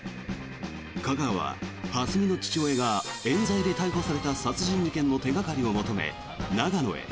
架川は蓮見の父親がえん罪で逮捕された殺人事件の手掛かりを求め長野県へ。